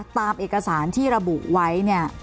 ตามเอกสารที่ระบุไว้